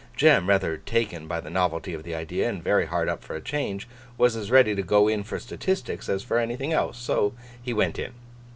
Jem, rather taken by the novelty of the idea, and very hard up for a change, was as ready to 'go in' for statistics as for anything else. So, he went in.